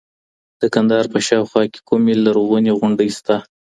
د کندهار په شاوخوا کي کومې لرغونې غونډۍ سته؟